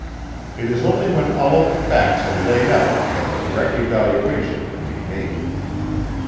It is only when all of the facts are laid out that a correct evaluation can be made.